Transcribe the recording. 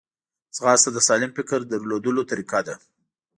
ځغاسته د سالم فکر لرلو طریقه ده